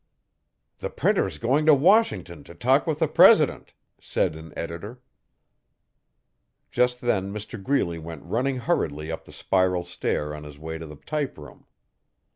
'The Printer's going to Washington to talk with the president,' said an editor. Just then Mr Greeley went running hurriedly up the spiral stair on his way to the typeroom.